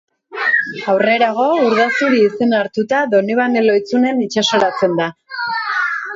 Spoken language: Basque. Aurrerago, Urdazuri izena hartuta, Donibane Lohizunen itsasoratzen da.